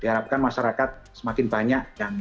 diharapkan masyarakat semakin banyak yang